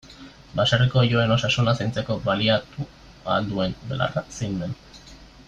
Baserriko oiloen osasuna zaintzeko baliatu ahal duen belarra zein den.